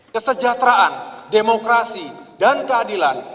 kesejahteraan demokrasi dan keadilan